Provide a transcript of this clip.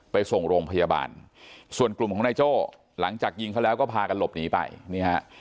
ไปส่งโรงพยาบาลส่วนกลุ่มของนายโจ้หลังจากยิงเขาแล้วก็พากันหลบหนีไปนี่ฮะ